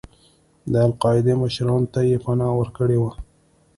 د القاعدې مشرانو ته یې پناه ورکړې وه.